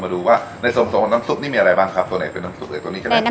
เราดูว่าในส่วนน้ำซุปนี้มีอะไรบ้างครับไหนเป็นน้ำซุปอื่นไหนตัวนี้แหละ